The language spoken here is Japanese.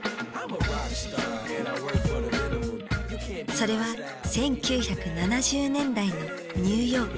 それは１９７０年代のニューヨーク。